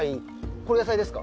これ野菜ですか？